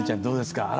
どうですか。